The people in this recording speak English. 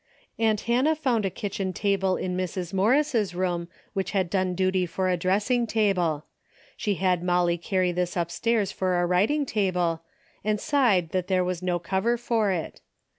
Aunt Hannah found a kitchen table in Mrs. Morris' room which had done duty for a dressing table. She had Molly carry this upstairs for a writ ing table, and sighed that there was no cover for it.